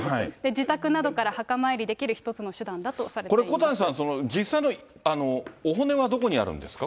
自宅などから墓参りできる一つのこれ、小谷さん、実際のお骨はどこにあるんですか？